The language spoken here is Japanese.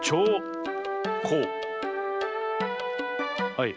はい。